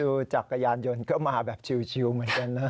จักรยานยนต์ก็มาแบบชิวเหมือนกันนะ